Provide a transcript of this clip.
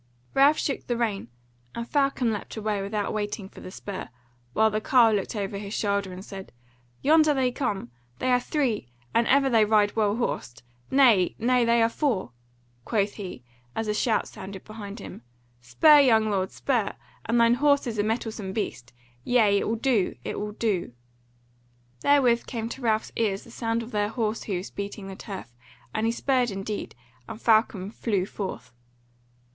Ralph shook the rein and Falcon leapt away without waiting for the spur, while the carle looked over his shoulder and said, "Yonder they come! they are three; and ever they ride well horsed. Nay, nay! They are four," quoth he, as a shout sounded behind them. "Spur, young lord! spur! And thine horse is a mettlesome beast. Yea, it will do, it will do." Therewith came to Ralph's ears the sound of their horse hoofs beating the turf, and he spurred indeed, and Falcon flew forth.